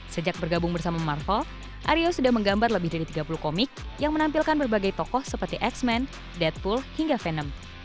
sejak bergabung bersama marvel aryo sudah menggambar lebih dari tiga puluh komik yang menampilkan berbagai tokoh seperti x men deadpool hingga venem